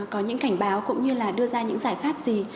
có những cảnh báo cũng như là đưa ra những giải pháp gì